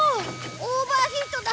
オーバーヒートだ。